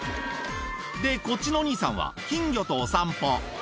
で、こっちのお兄さんは金魚とお散歩。